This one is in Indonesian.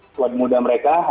squad muda mereka